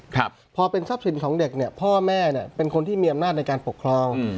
ครับพอเป็นทรัพย์สินของเด็กเนี่ยพ่อแม่เนี่ยเป็นคนที่มีอำนาจในการปกครอง